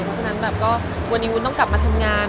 เพราะฉะนั้นแบบก็วันนี้วุ้นต้องกลับมาทำงาน